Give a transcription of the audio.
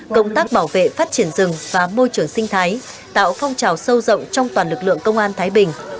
công tác bảo vệ phát triển rừng và môi trường sinh thái tạo phong trào sâu rộng trong toàn lực lượng công an thái bình